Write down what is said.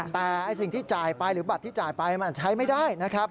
แต่สิ่งที่จ่ายไปหรือบัตรที่จ่ายไปมันใช้ไม่ได้นะครับ